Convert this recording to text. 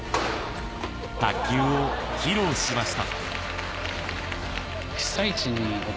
卓球を披露しました。